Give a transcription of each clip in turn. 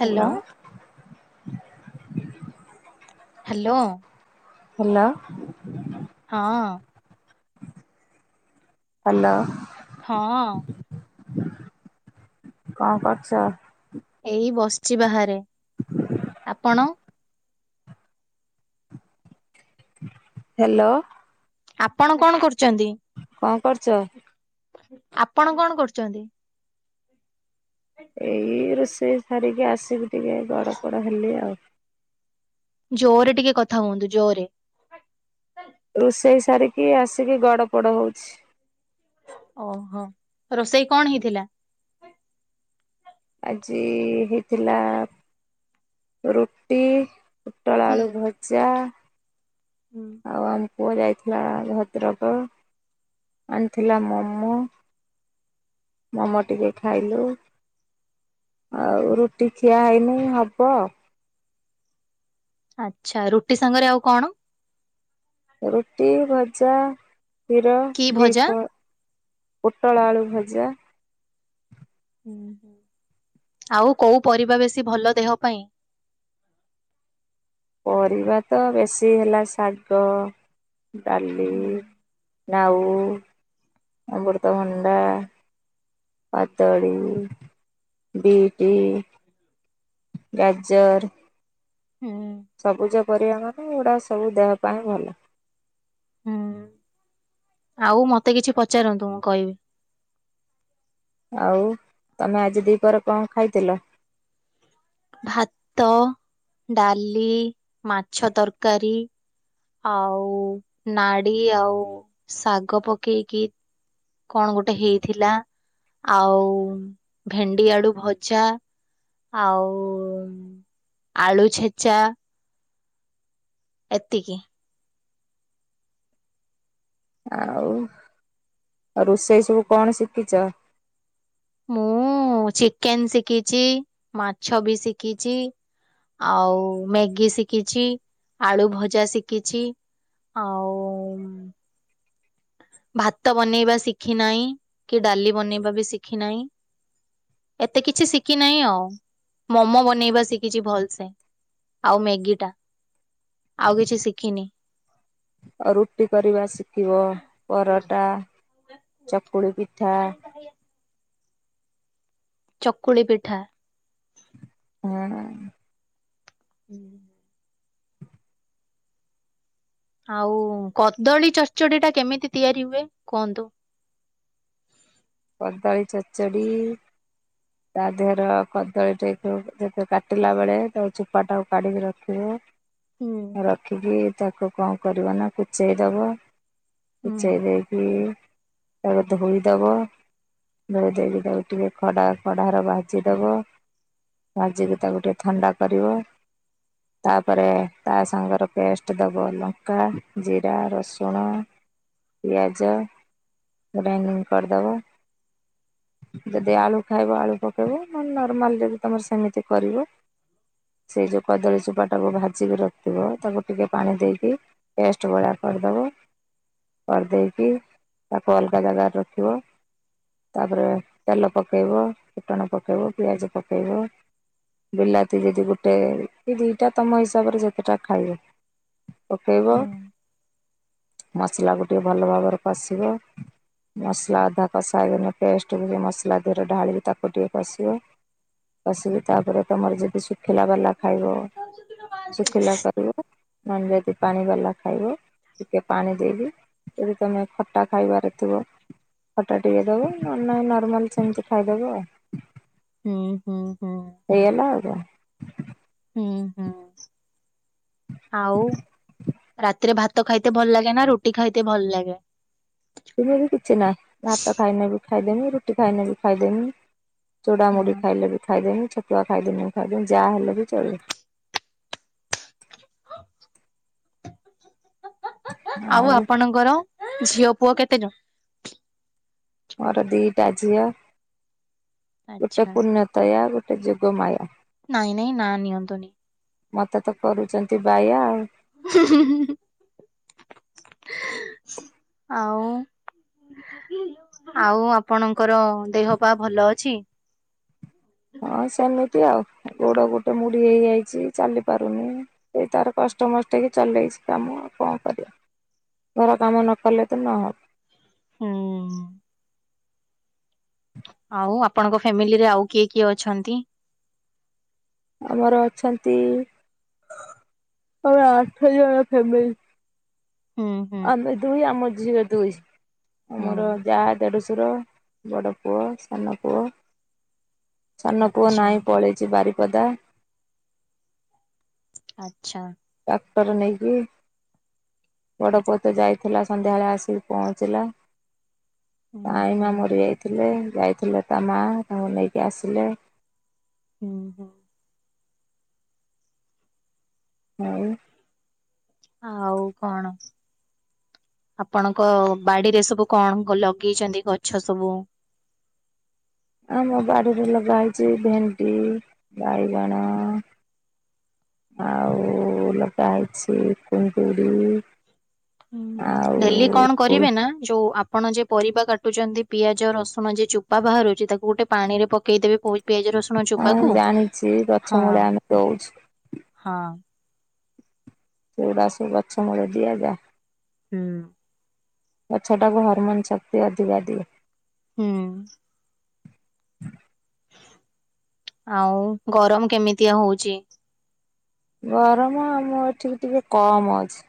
Hello. [inaudible] Hello. Hello. ହଁ। Hello. ହଁ। କଣ କରୁଚ? ଏଇ ବସିଚି ବାହାରେ ଆପଣ। ହ୍ୟାଲୋ। ଆପଣ କଣ କରୁ କଣ କରୁଚ? ଆପଣ କଣ କରୁଚନ୍ତି? ଏଇ ରୋଷେଇ ସାରିକି ଆସିବି ଟିକେ ଗଡ ପଡ ହେଲି ଆଉ। ଜୋରେ ଟିକେ କଥା ହୁଅନ୍ତୁ ଜୋରେ। ରୋଷେଇ ସାରିକି ଆସିକି ଗଡ ପଡ ହଉଛି। ଓହୋ ରୋଷେଇ କଣ ହେଇଥିଲା? ଆଜି ହେଇଥିଲା ରୁଟି ପୋଟଳ ହୁଁ ଆଳୁ ଭଜା ହୁଁ। ଆଉ। ପୁଅ ଯାଇଥିଲା ଭଦ୍ରକ ଆଣିଥିଲା ମୋମୋ ମୋମୋ ଟିକେ ଖାଇଲୁ। ଆଉ ରୁଟି ଖିଆ ହେଇନି ହବ ଆଉ। ଆଚ୍ଛା ରୁଟି ସାଙ୍ଗରେ ଆଉ କଣ? ରୁଟି ଭଜା କ୍ଷୀର କି ଭଜା? ଦୀପ ପୋଟଳ ଆଳୁ ଭଜା। ହୁଁ ଆଉ କୋଉ ପରିବା ବେଶୀ ଭଲ ଦେହ ପାଇଁ? ପରିବା ତ ବେଶୀ ହେଲା ଶାଗ ଡାଲି ହୁଁ ନାଉ ଅମୃତଭଣ୍ଡା କଦଳୀ ବିଟ୍ ଗାଜର ହୁଁ ସବୁଜ ପରିବା ଆମ ପୂରା ସବୁ ଦେହ ପା ଭଲ। ହୁଁ ଆଉ ମତେ କିଛି ପଚାରନ୍ତୁ ମୁଁ କହିବି? ଆଉ ତମେ ଆଜି ଦିପ କଣ ଖାଇଥିଲ? ଭାତ ଡାଲି ମାଛ ତରକାରୀ ଆଉ ନାଡ଼ି ଆଉ ଶାଗ ପକେଇକି କଣ ଗୋଟେ ହେଇଥିଲା ଆଉ ଭେଣ୍ଡି ଆଳୁ ଭଜା ଆଉ ଆଳୁ ଛେଚା ଏତିକି। ଆଉ ଆଉ ରୋଷେଇ ସବୁ କଣ ଶିଖିଛ। ମୁଁ ଚିକେନେଶିଖିଛି, ମାଛ ବି ଶିଖିଛି, ଆଉ ମେଗି ଶିଖିଛି, ଆଳୁ ଭଜା ଶିଖିଛି ଆଉ ଭାତ ବନେଇବା ଶିଖି ନାଇ କି ଡାଲି ବନେଇବା ବି ଶିଖି ନାଇ ଏତେ କିଛି ଶିଖି ନାଇ ଆଉ ମୋମୋ ବନେଇବା ଶିଖିଛି ଭଲସେ ଆଉ ମ୍ୟାଗି ଟା ଆଉ କିଛି ଶିଖିନି। ଅ ରୁଟି କରିବା ଶ ଖିବ ପରଟା, [inaudible] ପୁଡ଼ ପିଠା ଚକୁଳି ପିଠା ହୁଁ ହୁଁ ଆଉ କଦଳୀ ଚଡଚଡି ଟା କେମିତି ତିଆରି ହୁଏ କୁହନ୍ତୁ। କଦଳୀ ଚଚଡ଼ି ତା ଦେହର କଦଳୀ ଟେ ଟୁ ଯେତେ କାଟିଲା ବେଳେ ତା ଚୋପା ଟାକୁ କାଢିକି ରଖିବେ। ହୁଁ ରଖିକି ତାକୁ କଣ କରିବ ନା କୁଚେଇଦବ ହୁଁ କୁଚେଇ ଦେଇକି ତାପରେ ତାକୁ ଧୋଇଦବ। ଧୋଇ ଦେଇକି ତାକୁ ଟିକେ ଖଡା କଡ଼ାର ଭାଜି ଦବ ଭାଜିକି ତାକୁ ଟିକେ ଥଣ୍ଡା କରିବ ତାପରେ ତା ସାଙ୍ଗର ପେଷ୍ଟ ଦବ ଲଙ୍କା, ଜିରା, ରସୁଣ, ପିଆଜ ଗ୍ରାଇଣ୍ଡିଙ୍ଗ କରିଦବ। ଯଦି ଆଳୁ ଖାଇବ ଆଳୁ ପକେଇବ ନହେଲେ ନର୍ମାଲ ଯେମିତି ବି ତମର ସେମିତି କରିବ ସେଇ ଯୋଉ କଦଳୀ ଚୋପା ଟାକୁ ଭାଜିକି ରଖିଥିବ ତାକୁ ଟିକେ ପାଣି ଦେଇକି ପେଷ୍ଟ ଭଳିଆ କରିଦବ କରିଦେଇକି ତାକୁ ଅଲଗା ଜାଗାରେ ରଖିବ। ତାପରେ ତେଲ ପକେଇବ ଫୁଟଣ ପକେଇବ ପିଆଜ ପକେଇବ ବିଲାତି ଯଦି ଗୋଟେ କି ଦିଟା ତମ ହିସାବରେ ଯେତେଟା ଖାଇବ ପକେଇବ। ହୁଁ ମସଲା କୁ ଟିକେ ଭଲ ଭାବରେ କଷିବ ମସଲା ଅ କଷା ହେଇଗଲା ପେଷ୍ଟ ଟିକେ ମସଲା ଦେହରେ ଢାଳିକି ତାକୁ ଟିକେ କଷିବ କଷିକି ତାପରେ ତମର ଯଦି ଶୁଖିଲା ବାଲା ଖାଇବ ଶୁଖିଲା କରିବ। ନନଭେଜ ପାଣି ବାଲା ଖାଇବେ ଟିକେ ପାଣି ଦେଇବି ଯଦି ତମେ ଖଟା ଖାଇବାରେ ଥିବ ଖଟା ଟିକେ ଦବ ନ ହେଲେ ନାଇ ନର୍ମାଲ ସେମିତି ଖାଇଦେବ ଆଉ। ହୁଁ ହୁଁ ହେଇଗଲା। [unintelligible] ହୁଁ ହୁଁ ଆଉ ରାତିରେ ଭାତ ଖାଇତେ ଭଲ ଲାଗେ ନା ରୁଟି ଖାଇତେ ଭଲ ଲାଗେ। [unintelligible] ବି କିଛି ନାହିଁ ଭାତ ଖାଇନେ ବି ଖାଇଦେମି ରୁଟି ଖାଇନେ ବି ଖାଇଦେମି। ଚୁଡ଼ା ହୁଁ ମୁଢି ଖାଇଲେ ବି ଖାଇଦେମୀ। ଛତୁଆ ଖାଇଦେ ମୁ ଖାଇଦେମି ଯାହା ହେଲେ ବି ଚଳିବ। ଆଉ ଆପଣଙ୍କର? ଝିଅ ପୁଅ କେତେ ଯଣ। ମୋର ଦିଇଟା ଝିଅ। ଗୋଟେ ଆଚ୍ଛା ପୂର୍ଣ୍ଣତୟା ଗୋଟେ ଟେ ଯୋଗମାୟା। ନାଇଁ ନାଇଁ ନା ନିଅନ୍ତୁନି ମତେ ତ କରୁଛନ୍ତି ବାୟା ଆଉ। [unintelligible] ଆଉ ଆଉ ଆପଣଙ୍କର ଦେହ ପା ଭଲ ଅଛି। ହଁ ସେମିତି ଆଉ ଗୋଡ଼ ଗୋଟେ ମୁଡି ହେଇଯାଇଛି ଚାଲିପାରୁନି ସେଇ ତାର କଷ୍ଟେ ମଷ୍ଟେ ଚଲେଇଛି କାମ କଣ କରିବା ଘର କାମ ନକଲେ ତ ନହେବ। ହୁଁ। ଆଉ ଆପଣଙ୍କ ଫ୍ୟାମିଲିରେ ଆଉ କିଏ କିଏ ଅଛନ୍ତି। ଆମର ଅଛନ୍ତି ଆମେ ଆଠ ଜଣ ଫ୍ୟାମିଲି। ହୁଁ ହୁଁ ଆମେ ଦୁଇ ଆମ ଝିଅ ଦୁଇ। ହୁଁ ଆମର ଯାହା ଦେଢଶୁ ଶୁର ବଡ଼ ପୁଅ ସାନ ପୁଅ। ସାନ ପୁଅ ଆଚ୍ଛା ନାହିଁ ପଳେଇଛିି ବାରି ପଦା ଆଚ୍ଛା। କ୍ଟର ନେଇକି ବଡ଼ ପୁଅ ତ ଯାଇଥିଲା ସନ୍ଧ୍ୟାବେଳେ ଆସି ପହଞ୍ଚିଲା। ହୁଁ ତା ଆଇ ହୁଁ ମା ମରିଯାଇଥିଲେ। ଯାଇଥିଲେ ତା ମା ତାଙ୍କୁ ନେଇକି ଆସିଲେ। ହୁଁ ହୁଁ। ଆଉ। ଆଉ କଣ ଆପଣଙ୍କ ବାଡିରେ ସବୁ କଣ ଲଗେଇଛନ୍ତି ଗଛ ସବୁ। ଆମ ବାଡ଼ିରେ ଲଗାହେଇଛି ଭେଣ୍ଡି ବାଇଗଣ ଆଉ ଲଗା ହେଇଛି କୁନ୍ଦୁଡ଼ି। ଡେଲି କଣ କରିବେ ନା ଯୋଉ ଆ ଆପଣ ଯେ ପରିବା କାଟୁଛନ୍ତି ପିଆଜ ରସୁଣ ଯେ ଚୋପା ବାହାରୁଛି ତାକୁ ଗୋଟେ ପାଣି ରେ ପକେଇଦେବେ। ପିଆଜ ରସୁଣ ହଁ ଚୋପାକୁ ଜାଣିଛି ଗଛ ହଁ ମୂଳେ ଆମେ ଦଉଛୁ। ହଁ ସେଗୁଡ଼ାସବୁ ଗଛ ମୂଳେ ଦିଆଯାଏ। ହୁଁ। ଗଛ ଟାକୁ ହାରମନ ଶକ୍ତି ଅଧିିକା ଦିଏ। ହୁଁ। ଆଉ ଗରମ କେମିତିଆ ହଉଛି। ଗରମ ଆମ ଏଠିକି ଟିକେ କମ ଅଛି।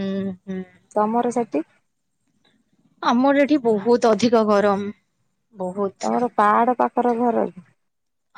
ହୁଁ। ହୁଁ ତମର ସେତ ତ ଆମର ଏଠି ବହୁତ ଅଧିକ ଗରମ। ବହୁତ ତୋର ପାହାଡ ପାଖ। ଖରା ଘର ଅଛି।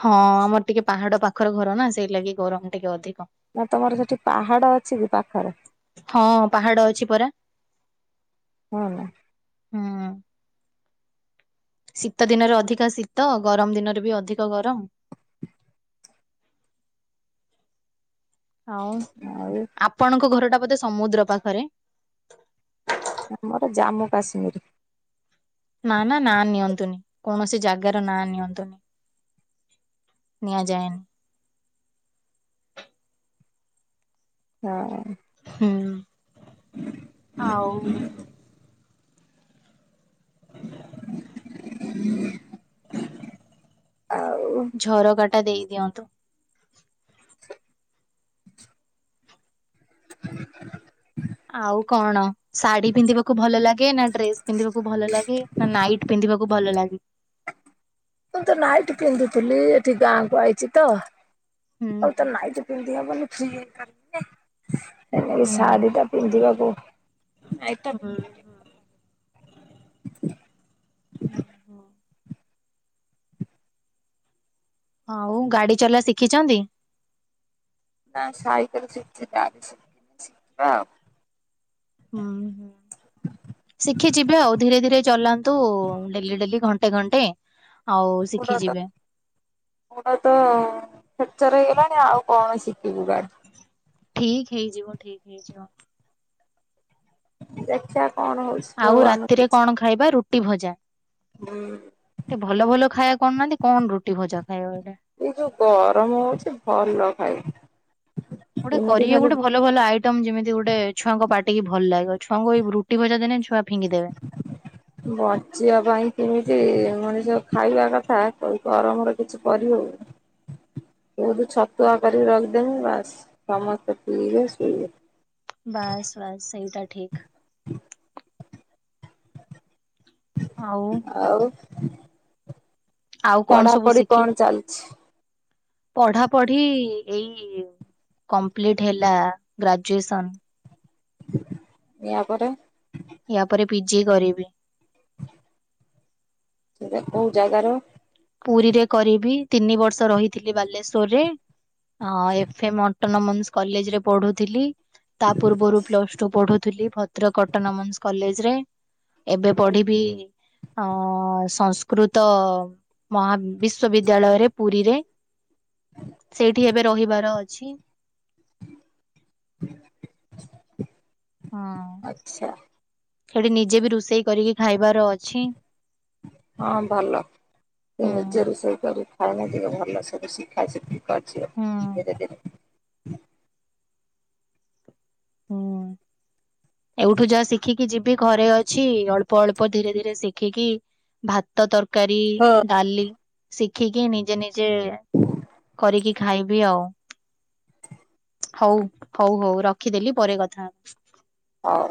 ହଁ ଆମର ଟିକେ ପାହାଡ ପାଖର ଘର ନା ସେଇ ଲଗି ଗରମ ଟିକେ ଅଧିକ। ନା ତମର ସେଠି ପାହାଡ ଅଛି କି ପାଖ ହଁ ପାହାଡ ଅଛି ପରା। ହ ନା ହୁଁ ଶୀତ ଦିନରେ ଅଧିକା ଶୀତ ଗରମ ଦିନରେ ବି ଅଧିକ ଗରମ ଆଉ ଆଉ ଆପଣଙ୍କ ଘରଟା ବୋଧେ ସମୁଦ୍ର ପାଖରେ। ଆମର ଜାମ୍ମୁ କାଶ୍ମୀର ନା ନା ନା ନିଅନ୍ତୁନି କୌଣସି ଜାଗାର ନା ନିଅନ୍ତୁନି ନିଆଯାଏନି। ହଁ ହଁ ଆଉ। [inaudible] ଆଉ ଝରକାଟ ଟା ଦେଇ ଦିଅନ୍ତୁ। [inaudible] ଆଉ କଣ? ଶାଢୀ ପିନ୍ଧିବାକୁ ଭଲ ଲାଗେ ନା ଡ୍ରେସ ପିନ୍ଧିବାକୁ ଭଲ ଲାଗେ ନା ନାଇଟ୍ ପିନ୍ଧିବାକୁ ଭଲ ଲାଗେ। [inaudible] ମୁଁ ତ ନାଇଟ ପିନ୍ଧୁଥିଲି ଏଠି ଗାଁ କୁ ଆଇଚି ତ ହୁଁ ଆଉ ତ ହୁଁ ନାଇଟ ପିନ୍ଧି ହବନି। ଫ କରିବ [unintelligible] ଏଇ ହୁଁ ଶାଢୀ ଟା ପିନ୍ଧିବାକୁ ହୁଁ ନାଇଟଟା। ହୁଁ। ହଉ ଗାଡି ଚଲା ଶିଖିଛନ୍ତି। ନା ସାଇକଲ ଶିଖିଛି ଗାଡି ଶିଖିନି ଶିଖିବା ଅଉ। ହୁଁ ହୁଁ ଶିଖି ଯିବେ ଆଉ ଧୀରେ ଧୀରେ ଚଲାନ୍ତୁ ଡେଲି ଡେଲି ଘଣ୍ଟେ ଘଣ୍ଟେ ଆଉ ଗୋଡ଼ ତ ଶିଖିଯିବେ ଗୋଡ ତ ଫ୍ରାକଚର ହେଇଗଲାଣି ଆଉ କଣ ଶିଖିବୁ ଗାଡି। ଠିକ ହେଇଯିବ ଠିକ ହେଇଯିବ। ଦେଖିଆ ଆଉ ରାତିରେ କଣ ଖାଇବା ରୁଟି ଟି ଭଜା ହୁଁ [inaudible] ଟେ ଭଲ ଭଲ ଖାଇବା କରୁନାହାନ୍ତି। କଣ ରୁଟି ଭଜା ଖାଇବା ଏଇଟା [inaudible] ଏଇ ଯୋଉ ଗରମ ହଉଛି ଭଲ ଖାଇ ଗୋଟେ ଏମିତି କରିବେ ଖାଲି ଗୋଟେ ଭଲ ଭଲ ଆଇଟମ ଯେମିତି ଗୋଟେ ଛୁଆଙ୍କ ପା ଟିକେ ଭଲ ଲାଗିବ ଛୁଆଙ୍କୁ ଏଇ ରୁଟି ଭଜା ଦେନେ ଛୁଆ ଫିଙ୍ଗିଦେବେ ବଞ୍ଚିବା ପାଇଁ କେମିତି ମଣିଷ ଖାଇବା କ ଗରମରେ କିଛି କରି ହଉନି। [inaudible] ବହୁତୁ ଛତୁଆ କରିକି ରଖିଦେମି ବାସ ସମସ୍ତେ ପିଇବେ ଶୋଇବେ। ବାସ୍ ବାସ୍ ସେଇଟା ଠିକ। ଆଉ [inaudible] ଆଉ କଣ ପଢାପଢ଼ି କଣ ଚାଲିଛି। ପଢାପଢି ଏଇ କମ୍ପ୍ଲିଟ ହେଲା ଗ୍ରାଜୁଏସନ। ୟା ପରେ ୟା ପରେ ପିଜି କରିବି। [inaudible] ସେଟା କୋଉ ଜାଗାର ପୁରୀରେ କରିବି ତିନି ବର୍ଷ ରହିଥିଲି ବାଲେଶ୍ଵରରେ ହଁ ଏଫେ ମ ଅଟୋନମନ୍ସ କଲେଜ ରେ ପଢୁଥିଲି। ତା ପୂର୍ବରୁ ପ୍ଲସ ଟୁ ପଢୁଥିଲି ଭଦ୍ରକ ଅଟନମନ୍ସ କଲେଜ ରେ ଏବେ ପଢିବି ଅଁ ସଂସ୍କୃତ ମହା ବିଶ୍ଵବିଦ୍ୟାଳୟରେ ପୁରୀରେ [inaudible] ସେଇଠି ଏବେ ରହିବାର ଅଛି। ହଁ। [inaudible] ଆଚ୍ଛା। ସେଠି ନିଜେ ବି ରୋଷେଇ କରିକି ଖାଇ [inaudible] ହଁ ଭଲ ସେ ହୁଁ ନିଜେ ରୋଷେଇ କରି ଧାରଣା ଦ ଭଲସେ ସବୁ ହୁଁ [unintelligible] ଧୀରେ ଧୀରେ ହୁଁ। ଏଇଠୁ ଯାହା ଶିଖିକି ଯିବି ଘରେ ଅଛି ଅଳ୍ପ ଅଳ୍ପ ଅଳ୍ପ ଧୀରେ ଧୀରେ ଶିଖ ରଖିକି ଭାତ ତର କାରି ଡାଲି ସି ରଖିକି ନିଜେ ନିଜେ କରିକି ଖାଇବି ଆଉ [inaudible] ହଉ ହଉ ହଉ ରଖିଦେଲି ପରେ କଥାହବା। ହଉ।